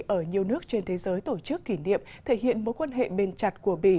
ở nhiều nước trên thế giới tổ chức kỷ niệm thể hiện mối quan hệ bền chặt của bỉ